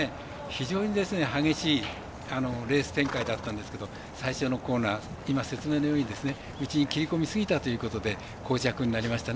非常に激しいレース展開だったんですが最初のコーナー説明のように内に切り込みすぎたということで降着になりました。